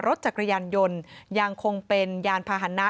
รถจักรยานยนต์ยังคงเป็นยานพาหนะ